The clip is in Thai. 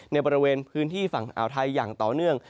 ในบริเวณพื้นที่ฝั่งอ่าวไทยอย่างต่อเนื่อง